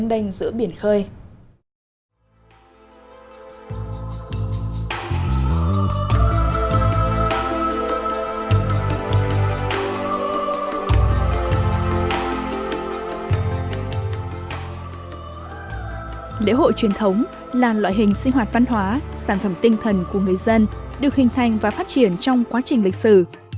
đễ hội truyền thống là loại hình sinh hoạt văn hóa sản phẩm tinh thần của người dân được hình thành và phát triển trong quá trình lịch sử